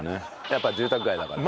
やっぱ住宅街だから？